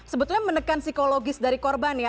sebetulnya menekan psikologis dari korban ya